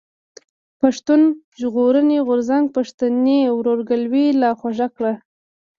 پښتون ژغورني غورځنګ پښتني ورورګلوي لا خوږه کړه.